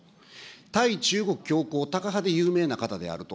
対中国強硬タカ派で有名な方であると。